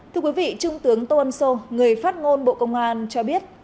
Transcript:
thưa quý vị trung tướng tôn sô người phát ngôn bộ công an cho biết